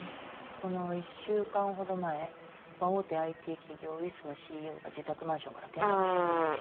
その１週間ほど前大手ＩＴ企業ウイッスのＣＥＯが自宅マンションから転落死してるし。